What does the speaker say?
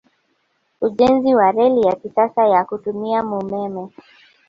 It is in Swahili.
Ujenzi wa Reli ya kisasa ya kutumia mumeme